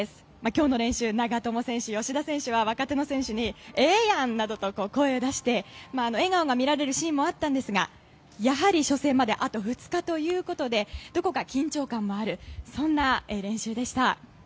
今日の練習長友選手、吉田選手は若手の選手にええやんなどと声を出して笑顔が見られるシーンもあったんですがやはり初戦まであと２日ということでどこか緊張感もあるそんな練習でした。